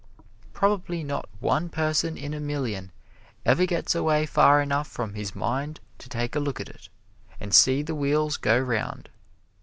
Probably not one person in a million ever gets away far enough from his mind to take a look at it, and see the wheels go round.